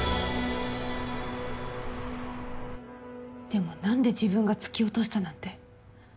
でもなんで自分が突き落としたなんて。